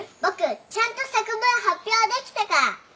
僕ちゃんと作文発表できたから。